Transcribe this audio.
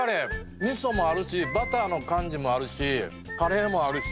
味噌もあるしバターの感じもあるしカレーもあるし。